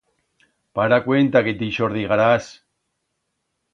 Para cuenta que t'ixordigarás.